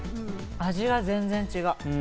味が全然違う！